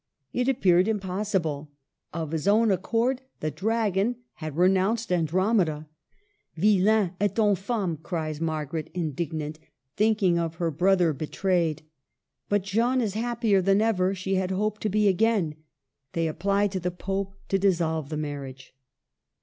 It appeared impossible. Of his own accord, the dragon had renounced Andromeda. " Vilain et infame !" cries Margaret, indignant, think ing of her brother betrayed. But Jeanne is happier than ever she had hoped to be again. They apply to the Pope to dissolve the marriage.